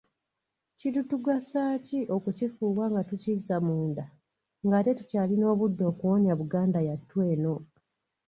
Kiritugasaaki okukifuuwa nga tukizza munda ng’ate tukyalina obudde okuwonya Buganda yattu eno?